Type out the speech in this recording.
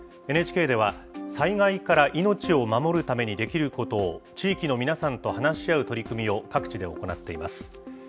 ＮＨＫでは、災害から命を守るためにできることを地域の皆さんと話し合う取り組みを各地で行っています。